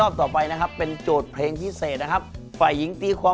เจอครูปลอมหนูหน่อยไหมคะ